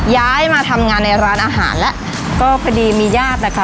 ย้ายมาทำงานในร้านอาหารแล้วก็พอดีมีญาตินะคะ